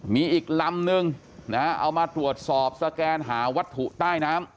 มีอีกลำนึงนะฮะเอามาตรวจสอบสแกนหาวัตถุใต้น้ำ